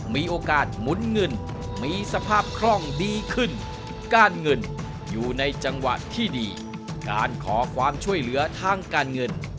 มีโอกาสหมุนเงินมีสภาพคล่องดีขึ้นการเงินอยู่ในจังหวะที่ดีการขอความช่วยเหลือทางการเงิน